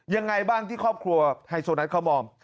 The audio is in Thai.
ยังไงบ้างที่ครอบครัวไฮโซนัทเขามอง